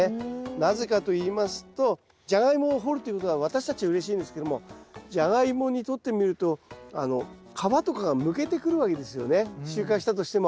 なぜかと言いますとジャガイモを掘るということは私たちうれしいんですけどもジャガイモにとってみると皮とかがむけてくるわけですよね収穫したとしても。